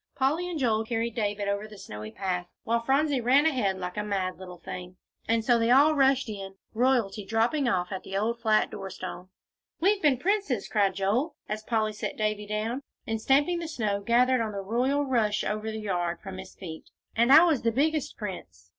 Polly and Joel carried David over the snowy path, while Phronsie ran ahead like a mad little thing. And so they all rushed in, royalty dropping off at the old flat door stone. "We've been princes," cried Joel, as Polly set Davie down, and stamping the snow, gathered on the royal rush over the yard, from his feet, "and I was the biggest prince."